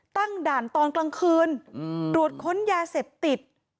ตั้งด่านตอนกลางคืนตรวจค้นยาเสพติด